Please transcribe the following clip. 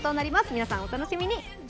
皆さん、お楽しみに。